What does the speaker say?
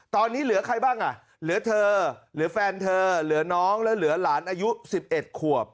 ตอนนี้เหลือใครบ้างอ่ะเหลือเธอหรือแฟนเธอเหลือน้องแล้วเหลือหลานอายุ๑๑ขวบ